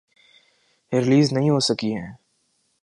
Release نہیں ہوسکی ہیں۔